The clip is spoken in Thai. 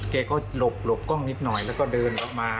แกก็หลบกล้องนิดหน่อยแล้วก็เดินออกมา